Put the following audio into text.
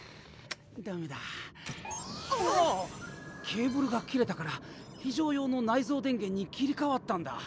ケーブルが切れたから非常用の内蔵電源に切り替わったんだ。